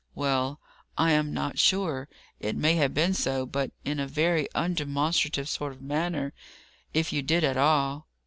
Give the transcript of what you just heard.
"Well, I am not sure; it may have been so; but in a very undemonstrative sort of manner, if you did at all.